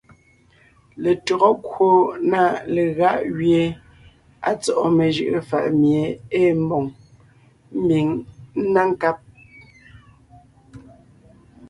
Letÿɔgɔ kwò na legáʼ gẅie à tsɔ́ʼɔ mejʉʼʉ fàʼ mie ée mbòŋ, ḿbiŋ ńná nkáb,